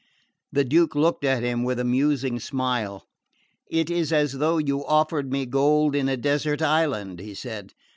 The Duke looked at him with a musing smile. "It is as though you offered me gold in a desert island," he said.